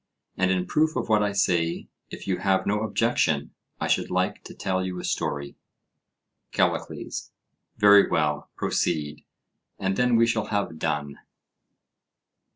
And in proof of what I say, if you have no objection, I should like to tell you a story. CALLICLES: Very well, proceed; and then we shall have done.